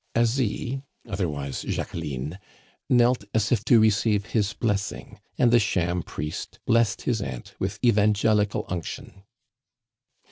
Asie, otherwise Jacqueline, knelt as if to receive his blessing, and the sham priest blessed his aunt with evengelical unction.